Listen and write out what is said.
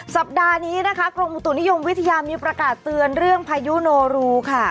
สัปดาห์นี้นะคะกรมอุตุนิยมวิทยามีประกาศเตือนเรื่องพายุโนรูค่ะ